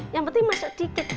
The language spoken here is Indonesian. yang penting masuk dikit